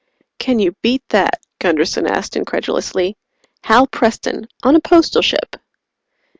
"Can you beat that?" Gunderson asked incredulously. "Hal Preston, on a Postal ship."